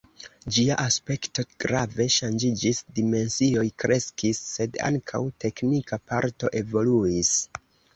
Ĝia aspekto grave ŝanĝiĝis, dimensioj kreskis, sed ankaŭ teknika parto evoluis.